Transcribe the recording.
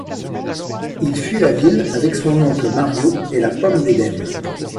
Il fuit la ville avec son oncle Mario et la Pomme d'Eden.